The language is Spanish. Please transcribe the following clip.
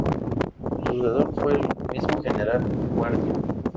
Su sucesor fue el mismo General Guardia.